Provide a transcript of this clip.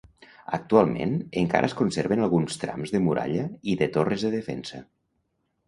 Actualment encara es conserven alguns trams de muralla i de torres de defensa.